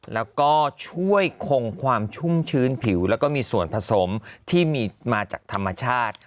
แล้วก็ช่วยคงความชุ่มชื้นผิวแล้วก็มีส่วนผสมที่มีมาจากธรรมชาติ